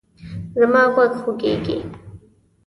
زما غوږ خوږیږي